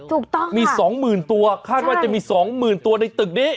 ถูกต้องมี๒๐๐๐ตัวคาดว่าจะมี๒๐๐๐ตัวในตึกนี้